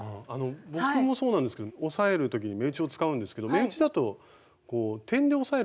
僕もそうなんですけど押さえる時に目打ちを使うんですけど目打ちだと点で押さえるからってことなんですか？